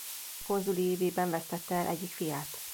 Consuli évében vesztette el egyik fiát.